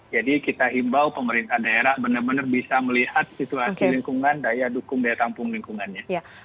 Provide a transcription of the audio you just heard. jadi kita imbau pemerintah daerah benar benar bisa melihat situasi lingkungan daya dukung daya tampung lingkungannya